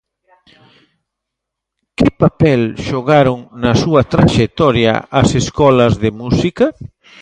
Que papel xogaron na súa traxectoria as escolas de música?